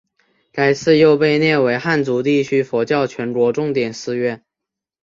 该寺又被列为汉族地区佛教全国重点寺院。